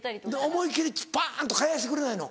思い切りパン！と返してくれないの？